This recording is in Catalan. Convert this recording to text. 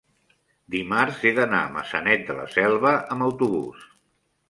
dimarts he d'anar a Maçanet de la Selva amb autobús.